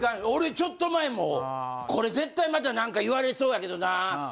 俺ちょっと前もこれ絶対またなんか言われそうやけどな。